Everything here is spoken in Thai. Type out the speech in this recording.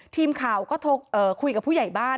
ทีมข่าวก็คุยกับผู้ใหญ่บ้าน